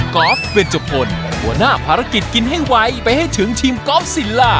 อล์ฟเวรจุพลหัวหน้าภารกิจกินให้ไวไปให้ถึงทีมกอล์ฟซิลล่า